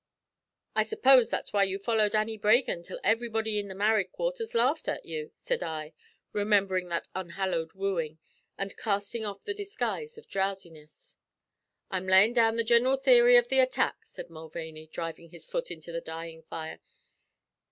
"I suppose that's why you followed Annie Bragin till everybody in the married quarters laughed at you," said I, remembering that unhallowed wooing, and casting off the disguise of drowsiness. "I'm layin' down the gineral theory av the attack," said Mulvaney, driving his foot into the dying fire.